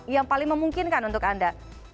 yang paling memungkinkan untuk anda